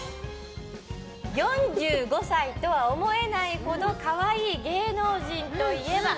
４５歳とは思えないほど可愛い芸能人といえば？